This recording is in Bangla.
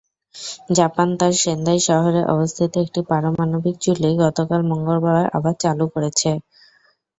জাপান তার সেন্দাই শহরে অবস্থিত একটি পারমাণবিক চুল্লি গতকাল মঙ্গলবার আবার চালু করেছে।